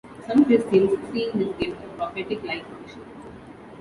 Some Christians see in this gift a prophetic-like function.